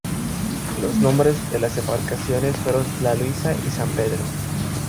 Los nombres de las embarcaciones fueron La Luisa y San Pedro.